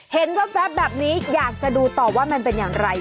แว๊บแบบนี้อยากจะดูต่อว่ามันเป็นอย่างไร